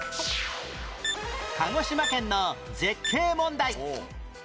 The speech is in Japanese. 鹿児島県の絶景問題